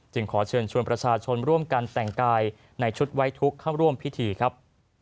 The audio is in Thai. ขอเชิญชวนประชาชนร่วมกันแต่งกายในชุดไว้ทุกข์เข้าร่วมพิธีครับ